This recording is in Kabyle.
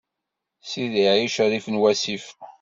Sidi Ɛic rrif n wassif.